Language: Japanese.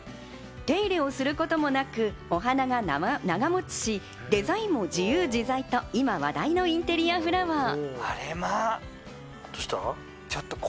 手入れをすることもなく、お花が長持ちし、デザインも自由自在と今話題のインテリアフラワー。